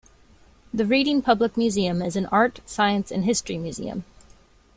The Reading Public Museum is an art, science, and history museum.